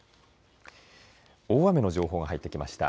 大雨の情報が入ってきました。